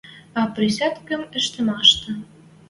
А присядкым ӹштӹмӓштӹ